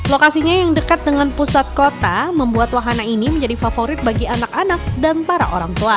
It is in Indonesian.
lokasinya yang dekat dengan pusat kota membuat wahana ini menjadi favorit bagi anak anak dan para orang tua